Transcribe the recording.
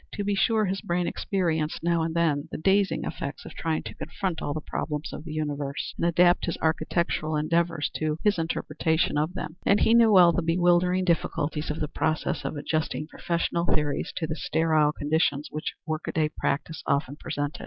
To be sure his brain experienced, now and then, the dazing effects of trying to confront all the problems of the universe and adapt his architectural endeavors to his interpretation of them; and he knew well the bewildering difficulties of the process of adjusting professional theories to the sterile conditions which workaday practice often presented.